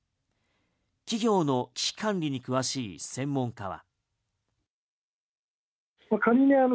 企業の危機管理に詳しい専門家は。